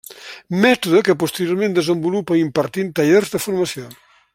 Mètode que posteriorment desenvolupa impartint tallers de formació.